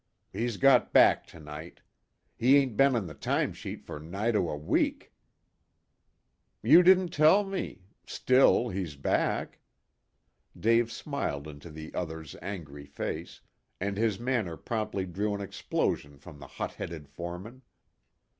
He's got back to night. He ain't been on the time sheet for nigh to a week." "You didn't tell me? Still, he's back." Dave smiled into the other's angry face, and his manner promptly drew an explosion from the hot headed foreman.